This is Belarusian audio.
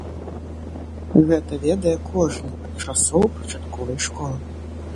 Гэта ведае кожны ад часоў пачатковай школы.